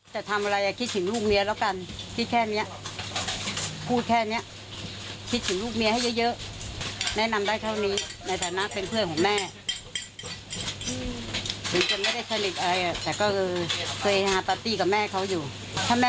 จะทำอะไรคิดถึงลูกเมียแล้วกันคิดแค่นี้พูดแค่นี้คิดถึงลูกเมียให้เยอะแนะนำได้เท่านี้ในฐานะเป็นเพื่อนของแม่ถึงจะ